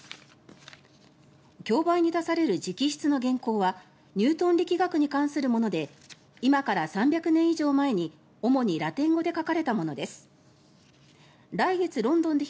競売に出される直筆の原稿はニュートン力学に関するもので今から３００年以上前に主にラテン語で書かれたものです。